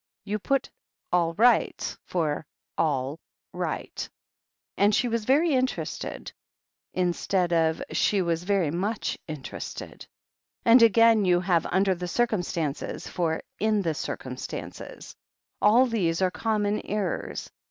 you put 'alright' for 'all right' and 'She was very interested' instead of 'she was very much interested.' And again, you have 'under the cir cumstances' for 'in the circtmistances.' All these are common errors.